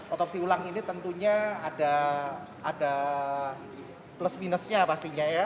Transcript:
otopsi ulang ini tentunya ada plus minusnya pastinya ya